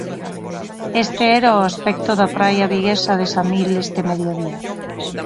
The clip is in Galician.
Este era o aspecto da praia viguesa de Samil este mediodía.